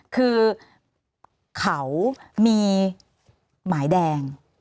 คือเขามีหมายแดง